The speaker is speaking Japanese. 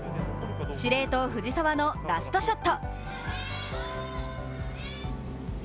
司令塔・藤澤のラストショット。